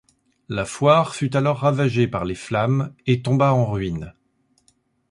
La foire fut alors ravagée par les flammes et tomba en ruines.